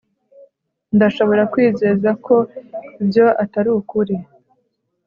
ndashobora kwizeza ko ibyo atari ukuri